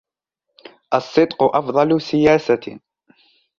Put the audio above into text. الصدق أفضل سياسة.